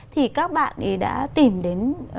thì các bạn ấy đã tìm đến